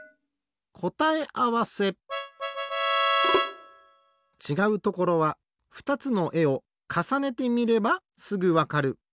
こたえあわせちがうところはふたつのえをかさねてみればすぐわかる。